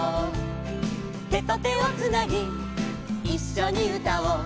「手と手をつなぎいっしょにうたおう」